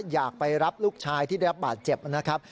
อยากไปรับลูกชายที่ได้รับบาดเจ็บนะครับ